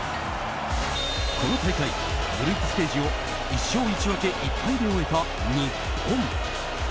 この大会、グループステージを１勝１分け１敗で終えた、日本。